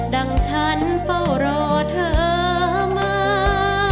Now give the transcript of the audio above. ดังฉันเฝ้ารอเธอมา